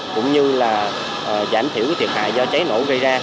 cũng như là giảm thiểu thiệt hại do cháy nổ gây ra